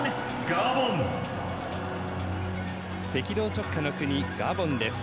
赤道直下の国、ガボンです。